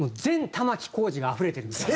玉置浩二があふれてるみたいな。